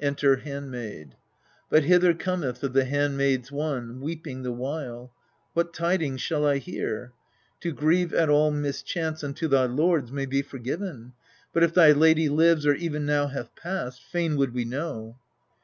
Enter HANDMAID But hither cometh of the handmaids one, Weeping the while. What tidings shall I hear? To grieve at all mischance unto thy lords May be forgiven ; but if thy lady lives Or even now hath passed, fain would we know.